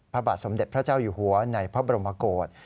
พระบาทสมเด็จพระเจ้าอยู่หัวในพระบรมโกศ